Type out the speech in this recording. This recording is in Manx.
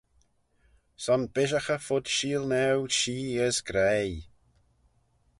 Son bishaghey fud sheelnaue shee as graih.